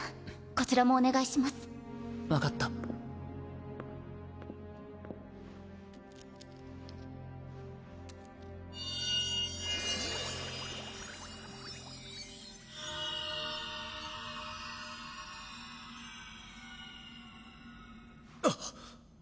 こちらもお願いします分かったあっ！